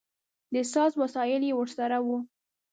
د ساز وسایل یې ورسره و.